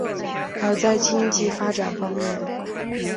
而在经济发展方面。